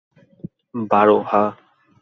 বারো, হাহ?